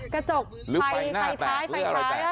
กระจกไปหน้าแตกหรืออะไรแตก